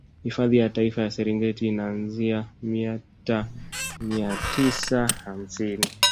Hifadhi ya Taifa ya Serengeti inaanzia mita mia tisa hamsini